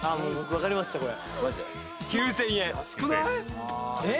分かりました、これ。